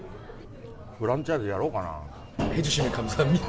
フランチャイズやろうかな。